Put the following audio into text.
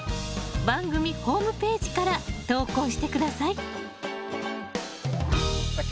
番組ホームページから投稿して下さいさあ